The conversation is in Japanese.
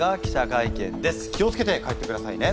気を付けて帰ってくださいね。